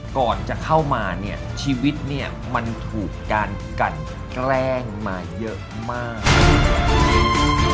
ก่อนจะเข้ามาชีวิตมันถูกการกันแกล้งมาเยอะมาก